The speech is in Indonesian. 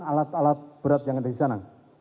alat alat berat yang ada di sana